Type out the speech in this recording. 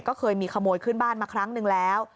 ก็เคยมีขโมยขึ้นบ้านมาครั้งหนึ่งแล้ว